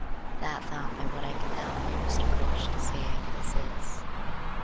That thought by what I can now nearest approach to say it, is this.